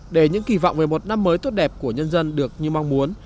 để những kỳ vọng về một năm mới tốt đẹp của nhân dân được như mong muốn